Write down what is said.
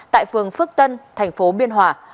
tại phường phước tân thành phố biên hòa